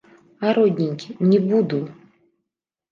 А родненькі, не буду!